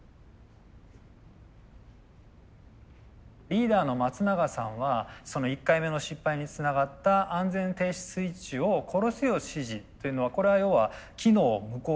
リーダーの松永さんは１回目の失敗につながった安全停止スイッチを殺すよう指示というのはこれは要は機能を無効化させることですよね。